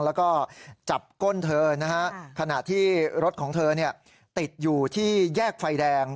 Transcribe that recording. แล้วก็จับก้นเธอนะฮะขณะที่รถของเธอติดอยู่ที่แยกไฟแดง